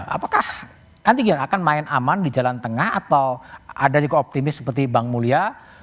apakah nanti akan main aman di jalan tengah atau ada juga optimis seperti bang mulya